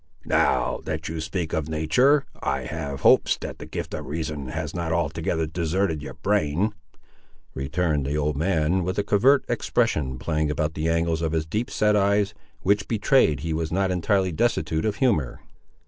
"Now, that you speak of natur', I have hopes that the gift of reason has not altogether deserted your brain," returned the old man, with a covert expression playing about the angles of his deep set eyes, which betrayed he was not entirely destitute of humour.